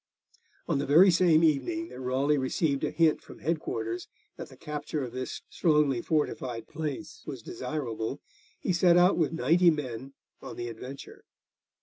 On the very same evening that Raleigh received a hint from head quarters that the capture of this strongly fortified place was desirable, he set out with ninety men on the adventure.